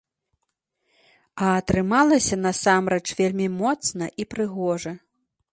А атрымалася насамрэч вельмі моцна і прыгожа.